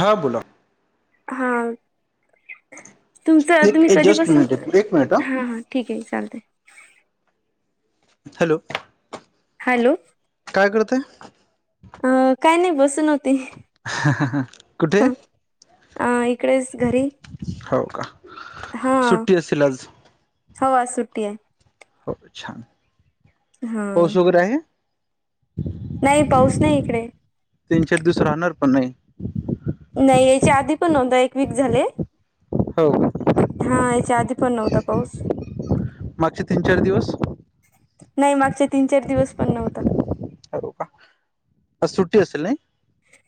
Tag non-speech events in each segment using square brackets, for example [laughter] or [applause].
हां बोला हा तुमच एक तुम्ही एक जस्ट कधीपासून मिनिट एक मिनिट हा आ ठीक हाय चालेलय. हॅलो हॅलो काय करतोय अ काय नाही बसून होती [unintelligible] हा अ इकडेच घरी हो का हा सुट्टी असेल आज हो आज सुट्टी हाय. हा [inaudible] नाही पाऊस नाही इकडे तीन चार दिवस राहणार पण नाही नाही याच्या आधी पण नवता एक वीक झाले हो का हा याच्या आधी पण नव्हता पाऊस मागचे तीन चार दिवस नाही मागच्या तीन चार दिवस पण नव्हता हो का आज सुट्टी असेल नाही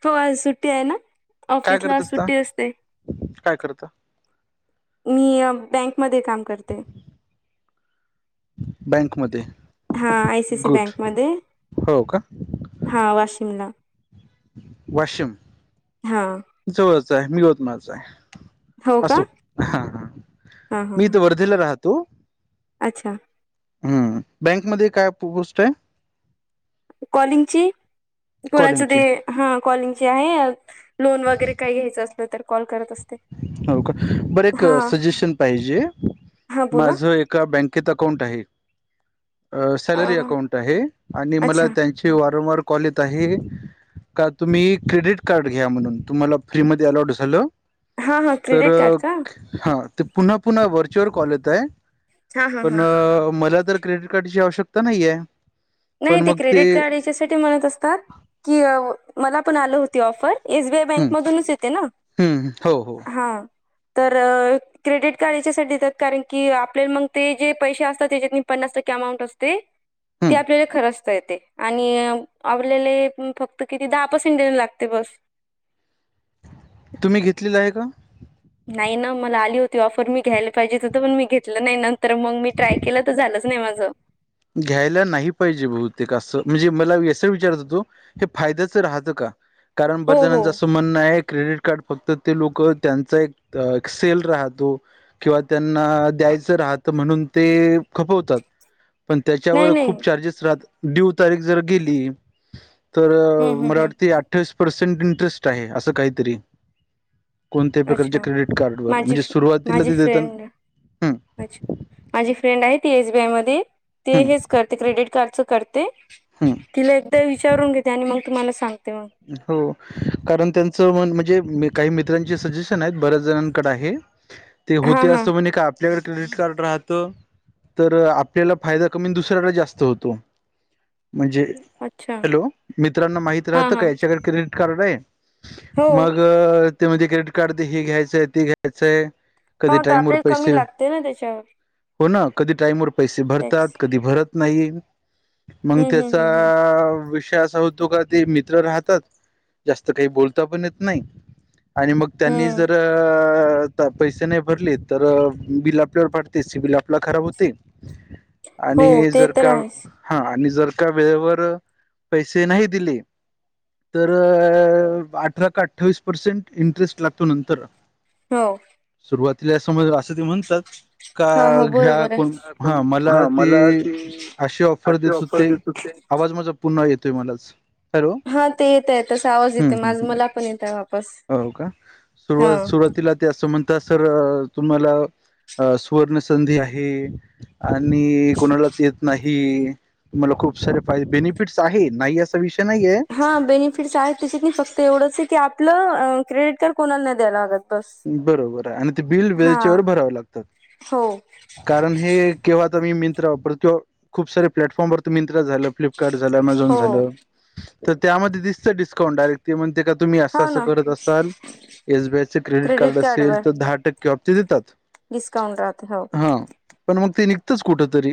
हो आज सुट्टी आहे ना काय ऑफिसला करत आज असता सुट्टी असते काय करता मी बँकमध्ये काम करते. बँक मध्ये हा आयसीसी गुड बँकमध्ये हो का हा वाशिमला वशिम? हा जवळच आहे मी होत माझ आहे हो का असू ह हा हा मी हा तर वर [inaudible] अच्छा हम्म बँकमध्ये काय पोस्ट आहे कॉलिंगची कोणाच कॉलिंगची दे हा कॉलिंगची आहे. लोन वगैरे काही घ्यायचं असलं तर कॉल करत असते. बर हा सजेशन पाहिजे हा बोला माझं एका अउं आहे अ, सलरी अकाउंट आहे. आणि अच्छा मला त्यां ती वारंवार कॉल येत आहे. का तुम्ही क्रेडिट कार्ड घ्या म्हणून तुम्हाला फ्रीमध्ये अलॉट झालं. हा हा तर क्रेडिट कार्ड का हा ते पुन्हा पुन्हा व्हर्च्युअल कॉल येतायत हा हा हा पण मला तर क्रेडिट कार्डची आवश्यकता नाहीये नाही पण ते मग क्रेडिट कार्ड याच्यासाठी म्हणत असतात की मला पण आलं होती ऑफर एसबीआय बँक हम्म मधूनच येते ना हम्म हो हो हा तर. क्रेडिट कार्ड याच्यासाठी देतात कारण की आपल्याला मग ते जे पैसे असतात त्याच्यात मी पन्नास टक्के अमाऊंट असते ती हम्म आपल्याला खरंचता येते आणि आपल्याला फक्त किती दहा पर्सेंट देण लागते बस तुम्ही घेतलेलं आहे का नाही ना मला आली होती ऑफर मी घ्यायला पाहिजेच तर पण मी घेतलं नाही नंतर मग मी ट्राय केलं तर झालंच नाही माझं घ्यायला नाही पाहिजे बहुतेक असं म्हणजे मला असं विचारत हो तो हे फायद्याच राहतं का कारण हो बर हो जणांचं असं म्हणणं आहे क्रेडिट कार फक्त ते लोक त्यांचा एक सेल राहतो. किंवा त्यांना द्यायचं राहतं म्हणून ते खपवतात. पण नाही त्याच्यावर नाही खूप चार्जेस राहत दव तारीख जर गेली तर हं, हं, मला हं. वाटते अठ्ठावीस पर्सेंट इंटरेस्ट आहे. असं काहीतरी कोणत्या प्रकारच्या अच्छा क्रेडिट कार्डवरर माझी म्हणजे फ्र- सुरुवातीला माझी ते देत फ्रेंड ना अच्छा माझी फ्रेंड आहे त एसबीआय मध्ये ते हम्म हेच करते क्रेडिट कार्डच करते हम्म तिला एकदा विचारून घेते आणि मग तुम्हाला सांगते मग हो कारण त्यांचं म म्हणजे काही मित्रांचे सजेशन आहेत बऱ्याच जणांकडे आहे [unintelligible] ते होते हां असतं म्हणेज काय आपल्याकडे क्रेडिट कार्ड राहतं. तर आपल्याला फायदा कमी दुसऱ्याला जास्त होतो. म्हणजे अच्छा हॅलो मित्रांना माहित हां राहतं का हां याच्याकडे क्रेडिट कार्ड आहे. हो मग ते म क्रेडिट कार्ड हे घ्यायचंय ते घ्यायचंय कधी हा तर टाइमवर आपल्याला पैसे कमी लागते ना त्याच्यावर हो ना कधी टाईमवरर पैसे भरतात टॅक्स कधी भरत नाही. मग हं, हं, त्याचा हं, हं. विषय असा होतो का ते म मित्र राहतात जास्त काही बोलता पण येत नाही आणि मग त्यांनी हं. जर अ पैसे नाही भरले तर बिल आपल्यावर फडते सीबिल आपला खराब होते हो आणि ते जर तर का आहेच हा आणि जर का वेळेवर पैसे नाही दिले तर अठरा का अठ्ठावीस पर्सेंट इंटरेस्ट लागतो नंतर हो सुरुवातीला समज असं ते म्हणतात. हा का हो घ्या बरोबर कोण आहे. हा मला ते ती अशी ऑफर देत होते आवाज माझा पुन्हा येतोय मलाच हॅलो हा ते येतय तसा आवाज हम्म येते हम्म माझ हम्म मला पण येत आहे वापस हो का हा. सुरुवात सुरुवातीला ते असं म्हणत सर तुम्हाला अ सुवर्णसंधी आहे आणि कोणालाच येत नाही. तुम्हाला खूप सारे फायदे बेनिफिट्स आहे नाही असा विषय नाहीय हां बेनिफिट्स आहेत त्याच्यात नाही फक्त एवढंच आहे की आपलं क्रेडिट कार्ड कोणाला नाही द्यायला लागत बस. बरोबर आहे आणि ते बिल हा वच्या वे भरावें लागतात हो कारण हे केव्हा आ मी मिंत्रावर किंवा खूप सारे प्लॅटफॉर्मवरर मिंत्रा झालं फ्लप झालं अमेझॉन हो झा तर त्यामध्ये दिसतं डिस्काउंट डायरेक्ट ते म्हणते का तुम्ही असं हो असं ना करत असाल येसबीआयचं क्रेडिट कार्ड असेल तर दहा टक्के बाबती देतात डिस्काउंट राहते हो. हा पण मग ते निघतच कुठ तरी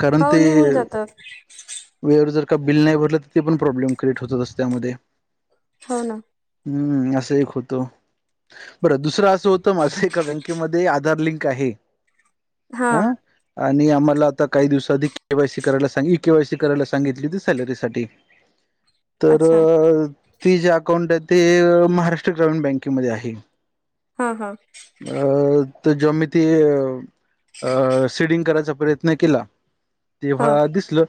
कारण हो ते निघून जातात वेळेर जर का बिल नाही भरलं, तर ते पण प्रॉब्लेम क्रिएट होत असतात. त्यामध्ये हो, ना. हम्म, असं एक होतं. बरं दुसरं अस होतं, माझं एका बँकेमध्ये आधार लिंक आहे. हा आ आणि आम्हाला आता काही दिवस आधी केवाय सी करायला सांग ई के वाय सी करायला सांगितली होतीी सॅलरी साठी. [unintelligible] तर ती जे अकाउंट आहे ते महाराष्ट्र ग्रामीण बँकेमध्ये आहे. हा हा अ ते जमती अ अ शेडिंग करायचा प्रयत्न केला. तेव्हा हा. दिसल,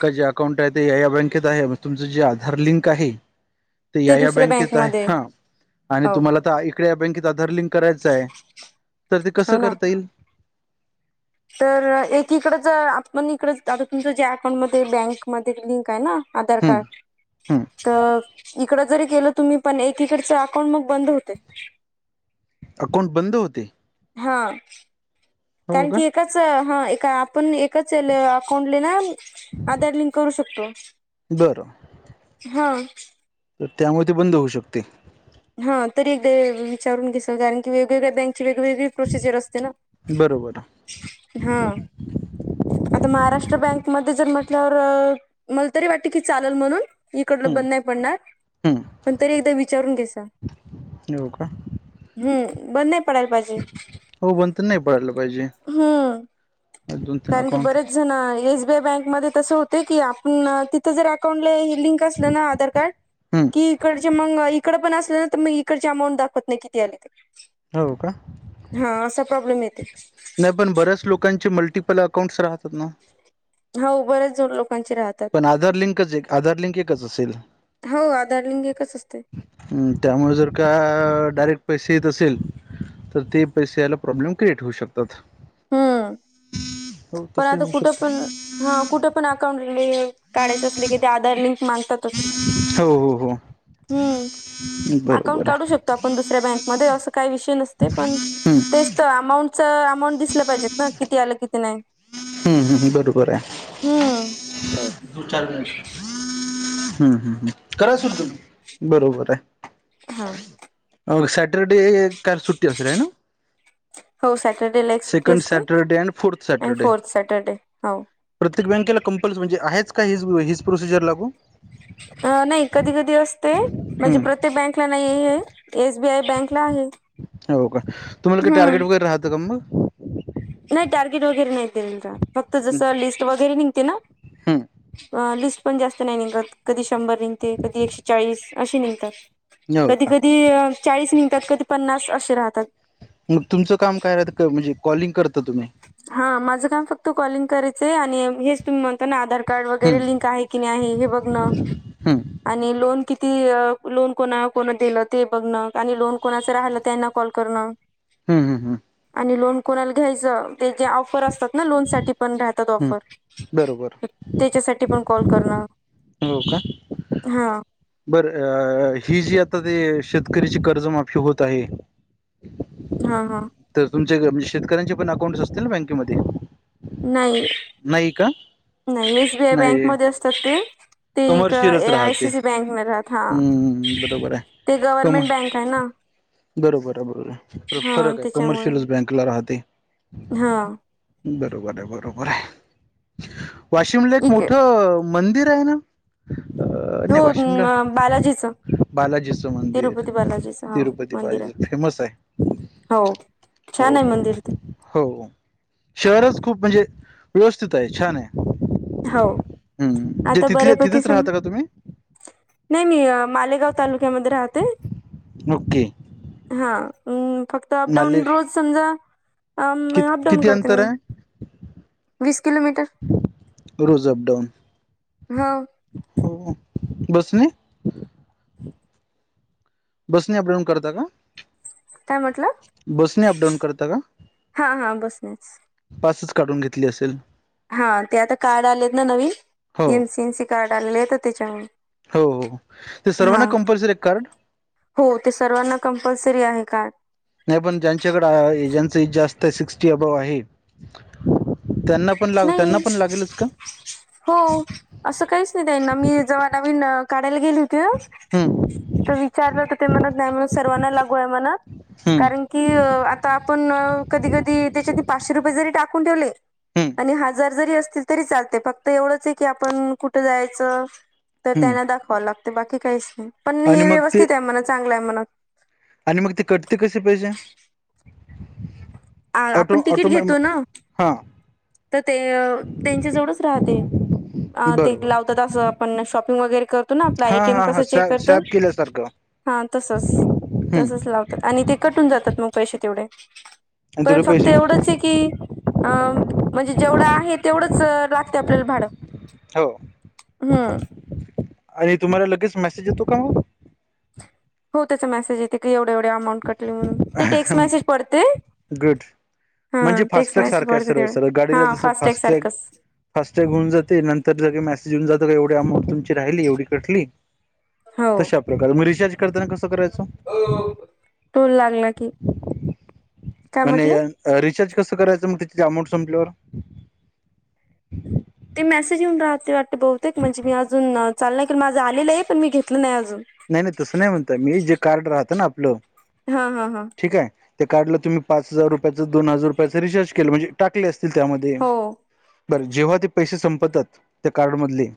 का जे अकाउंट आहे. ते या, या बँकेत आहे मग तुमचं जे आधार लिंक आहे. ते या, या दुसऱ्या बँकेत आहे. बँकमध्ये हा आणि हो तुम्हाला आ इकड या बँकेत आधार लिंक करायच, तर ते कस हो ना. करता येईल. [unintelligible] आधार हम्म कार्ड हम्म तर इकड जरी केलं तुम्ही, पण एकीकडच अकाउंट मग बंद होते. अकाउंट बंद होते. हा हो कारण का की, ते [unintelligible] आधार लिंक करू शकतो. बरं हा तर, त्यामुळे ते बंद होऊ शकते. हा तरी एकदा विचारून कस कारण की वेगवेगळ्या, बँकची वेगवेगळे, कृषीची रस्ते बरोबर असते. ना हा आता महाराष्ट्र बँकमध्ये जर म्हटल्यावर मला तरी वाटते. की चालेल म्हणून इकडलं हम्म बंद नाही, पडणार पण तरी एकदा विचारून घे. येऊ का. हम्म, बंद नाही पडायला पाहिजे. हो बन तर नाही पडायला पाहिजे. हम्म दोन तीन कारण की अकाउंट बरेच, इथेच ना एसबीआय बँक मध्ये तसं होत की, आपण तिथं जर अकाउंट ला लिंक असलं ना आधार कार्ड. हम कि इकडचे मग इकड पण असले, ना तर मग इकडचे अमाऊंट दाखवत नाही किती आले ते. हो का हा असा प्रॉब्लेम येते नाही. पण बऱ्याच लोकांची मल्टी आपल अकाउंटस राहतात ना. हा उबरच जड लोकांची राहतात. पण आधार लिंकच एक, आधार लिंक एकच असेल. हो आधार लिंक एकच असते हम, त्यामुळे जर का डायरेक्ट पैसे येत असेल. तर, ते पैसे याला प्रॉब्लेम क्रिएट होऊ शकतात. हम्म, हो पण तसे आता होऊ कुठं शकते. पण हा कुठे पण अकाउंट लिंक काढायचं असले, की ते आधार लिंक मागतात. हो हो हो हम्म, अकाउंट बरोबर काढू आहे. शकतो. तिथं आपण दुसऱ्या बँक मध्ये असं काय विषय नसते. पण हं, तेच तर अमाऊंटचं अमाऊंट तर, बघितलं पाहिजेत ना, किती आलं, किती नाही. हम्म बरोबर आहे. हम्म तेच दोन-चार मिनिट हम्म, हम हम करायचं होत बरोबर आहे. हा सॅटर्डे तर सुट्टी असेल ना. हो सॅटर्डेला एक सुट्टी सेकंड असते सॅटरडे अँड फोर्थ आणि सॅटरडे. फोर्थ सॅटर्डे हो प्रत्येक बँकेला कंपल् म्हणजे आहेच का ह हीच प्रोसिजर लागू अ नाही कधी कधी असते म्हणजे हं, प्रत्ये बँकला नाही हे एसबीआय बँकला आहे. हो का तुम्हाला काही हम्म टार्गेट वगैरे राहतं का मग नाही टार्गेट वगैरे नाही ते र फक्त हं, जसं लिस्ट वगैरे निघते ना हं, अ लिस्ट पण जास्त नाही निघत, कधी शंभर निघते, कधी एकशे चाळीस. अशी निघतात, हो कधी का कधी चाळीस निघतात, कधी पन्नास असे राहतात. मग तुमचं काम काय राहत, म्हणजे कॉलिंग करता तुम्ही हा माझं काम फक्त कॉलिंग करायचंय. आणि हेच तुम्ही म्हणता ना आधार कार्ड हं, वगैरे लिंक आहे. कि, नाही हे बघ न. हं. आणि लोन, किती लोन कोणा कोण दिलं, ते बघण आणि लोन कोणाचं राहिल त्यांना कॉल कर ना हम् हम हम आणि लोन कोणाला घ्यायचं त्या जे ऑफर असतात. ना लोन साठी पण राहतात ऑफर हम्म बरोबर त्याच्यासाठी पण कॉल करणार हो का हा बर ही जी आता ते शेतकत्याची कर्जमाफी होत आहे. हा हा -तर तुमचे म्हणजे शेतकऱ्यांचे पण अकाउंट असतील ना बँकेमध्ये - नाही नाही का नाही एसबीआय नाही बँकमध्येध्ये असतात ते ते इकड कमर्शियलच ए आय राहते सी सी बँक राहात हा हम्म बरोबर आहे ते कम गव्हर्मेंट बँक आहे ना. बरोबर आहे बरोबर हा फरक आहे त्याच्यामुळे कमर्शियलस बँकला राहते. हा बरोबर आहे बरोबर आहे वाशिमला एक इक मोठं मंदिर आहे ना. अ, हो नाही वाशिमला बालाजीचं बालाजीचं मंदिर तिरुपती बालाजीचं हो तिरुपती मंदिरात बालाजी फेमस आहे. हो छान हो आहे मंदिर हो ते. हो शहरच खूप म्हणजे व्यवस्थित आहे छान आहे. हो हम्म जे आता तिथले बऱ्यापैकी तिथेच स राहता का तुम्ही नाही मी मालेगाव तालुक्यामध्ये राहते. ओके. हा फक्त अपडाऊन माले रोज समजा कि अपडाऊन किती करते अंतर मी. आहे वीस किलोमीटर. रोज अपडाऊन हो हो बस ने बसनी अडाऊन करता का? काय म्हटलं बसणे अपडाऊन करता का? हा हा बसनेच पासच काढून घेतली असेल. हा ते आता कार्ड आले आहेत ना हो नवीन एनसीएन सी कार्ड आलेले आहेत त्याच्यामुळे. हो हो ते हा सर्वांना कंपल्सरी का कार्ड हो ते सर्वांना कंपल्सरी आहे कार्ड नाही पण ज्यांच्याकडे ज्यांच एज जास्त आहे सिक्स्टी अबव आहे. त्यांना पण लाग त्यांना नाही पण लागेलच का? हो असं काहीच नाही त्यांना मी जेव्हा नवीन काढायला गेली होती ना हम्म तर विचारलं तर ते म्हणत नाही म्हणून सर्वांना लागू आहे म्हण हम्म कारण की आता आपण कधी कधी त्याच्यात पाचशे रुपये जरी टाकून ठेवले हम्म आणि हजार जरी असतील तरी चालते फक्त एवढंच आहे की आपण कुठं जायचं तर हम्म त्यांना दाखवावं लागत बाकी काहीच नाही पण आणि हे मग ते व्यवस्थित आहे म्हण चांगलं आहे म्हणत आणि मग ते कटते कसे पाहिजे ऑटो आपण तिकीट ऑटोमॅ घेतो ना हां तर ते त्यांच्या जवडच राहते अ ते बरोबर लाव आपण शॉपिंग वगैरे करत करतो ना आपलं हां एटीएम हां कसं हां सॅ चेक करतो सॅप केल्यासारखं हा तसच हम्म तसच लावतात आणि ते कट होऊन जातात मग पैसे तेवढे आणि पण थोडे फक्त पैसे एवढंच आहे की अ म्हणजे जेवढं आहे तेवढंच लागते आपल्याला भाडं हो हम्म आणि तुम्हाला लगेच मेसेज येतो का ओ? हो त्याच मेसेज येते की एवढे एवढे अमाऊंट कटली म्हणून ते टेक्स्ट मग मेसेज पडते गुड हा म्हणजे टेक्स्ट फास्ट्रॅग मेसेज सारखं आहे पडते सर तेवढे सर गाडीला हा जसं फास्टॅग फास्ट्रॅग सारखंच फास्टॅग होऊन जाते नंतर जग का मेसेज होऊन जात का एवढी तुमची राहिली एवढी कठली हो मग रिचार्ज करताना कसं करायचं टोल लागला की काय म्हटले रिच्ज कस करायचं मग तिती अमाऊंट संपल्यावर ते मेसेज येऊन राहते वाटते बहुते म्हणजे मी अजून चाल नाही की माझं आलेलं आहे पण मी घेतलं नाही अजून नाही नाही तसं नाही म्हणतय मी जे कार्ड राहत ना आपलं हा हा हा ठीक आहे ते कार्ला तुम्ही पाच हजार रुपयाच दोन हजार रुपयां रिचार्ज केलं म्हजे टाक त्यामध्ये हो बर जेव्हा ते पैसे संपतात त्या कार्ड मधले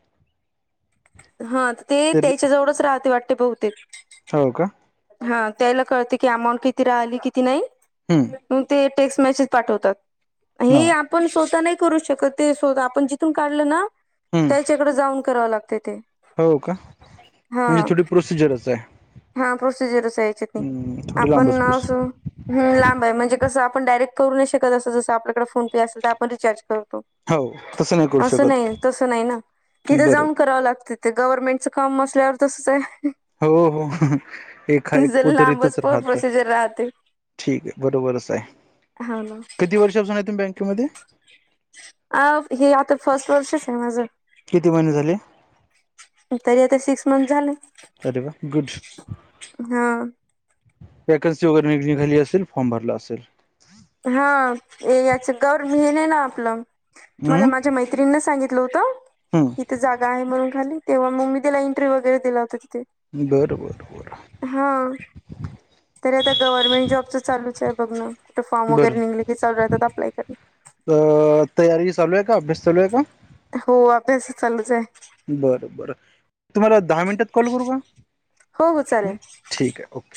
हा ते तर त्याच्याजवळच राहते वाटे बहुते हो का हा त्याला कळते की अमाऊंट किती राहिली किती नाही हम्म मग ते टेक्स्ट मॅसेज पाठवतात हे हा आपण स्वतः नाही करू शकत तेत आपण जिथून काढलं ना हम्म त्याच्या डे जाऊन कराव लागते ते हो का हा म्हणजे थोडी प्रोसिजरच आहे हा प्रोसिजरच यायचेत नाही हम्म थोडी लांबच आपण अस प्रोसिजर हम लांब आहे म्हणजे कसं आपण डायरेक्ट करू नाही शकत असं जस आपल्याकडे फोन पे असेल तर आपण रिचार्ज करतो हो तसं नाही करू असं शकत नाही तस नाही ना तिथं जाऊन बरोबर करावं लागत ते गव्हर्नमेंटचं काम मसल्यावर तसंच आहे हो हो एा एक जर लांबच पुतरीतच राहत प्रोसिजर राहते ठीक आहे बरोबरच आहे हो ना किती वर्षपून आहे तुम्ही बँकेमध्ये हे याता फसटलच्यास माझ किती महिने झाले तरी आता सिक्स मंथ झाले अर वा गुड हा वॅकन्सी वगैरे निघाली असेल फॉर्म भरला असेल हा याच गर घेन ना आपलं मला हम्म माझ्या मैत्रिणीना सांगितलं होत हम्म इथे जागा आहे म्हणून खाली तेव्हा म त्याला इंटरव्हू वगैरे दि होता तिे बरं बरं बरं तरी आता गव्हर्नमेंट जॉबच चालूच आहे बघ ना फॉर्म बरं वगैरे निघले की चालू राहात अप्लाय करण अ तयारी चालू आहे का अभ्यास चालू आहे का हो अभ्यास चालूच आहे बरं बरं तुम्हाला दहा मिनिटात कॉल करू का हो हो चालेल ठीक आहे ओके